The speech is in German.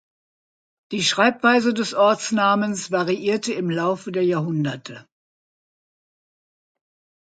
Die Schreibweise des Ortsnamens variierte im Laufe der Jahrhunderte.